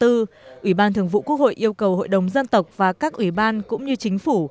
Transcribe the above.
ủy ban thường vụ quốc hội yêu cầu hội đồng dân tộc và các ủy ban cũng như chính phủ